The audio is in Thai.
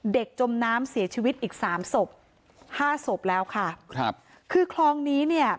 จมน้ำเสียชีวิตอีกสามศพห้าศพแล้วค่ะครับคือคลองนี้เนี่ย